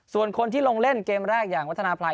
ส่วนคนที่ลงเล่นเกมแรกอย่างวัฒนาภัย